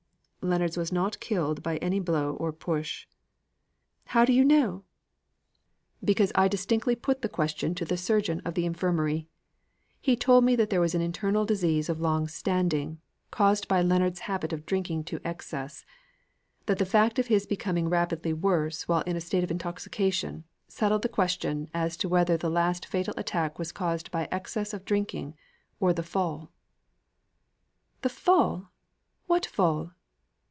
"Leonards was not killed by any blow or push." "How do you know?" "Because I distinctly put the question to the surgeon of the Infirmary. He told me there was an internal disease of long standing, caused by Leonards' habit of drinking to excess; that the fact of his becoming rapidly worse while in a state of intoxication, settled the question as to whether the last fatal attack was caused by excess of drinking, or the fall." "The fall! What fall?"